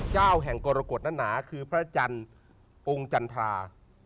แห่งกรกฎนั้นหนาคือพระจันทร์องค์จันทรา